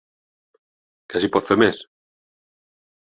Què s’hi pot fer més?